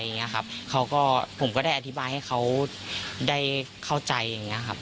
เขาก็ผมก็ได้อธิบายให้เขาได้เข้าใจอย่างเงี้ครับ